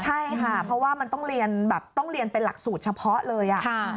ใช่ค่ะเพราะว่ามันต้องเรียนเป็นหลักสูตรเฉพาะเลย